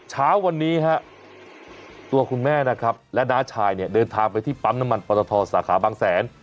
เช้าวันนี้ฮะตัวคุณแม่นะครับและน้าชายเนี่ยเดินทางไปที่ปั๊มน้ำมันปรตทสาขาบางแสน